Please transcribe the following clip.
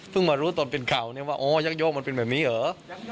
พึ่งมารู้ตอนเก่ายักย่อกมันเป็นแบบนี้เหรอ